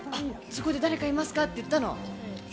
そこで誰かいますかって言ったの？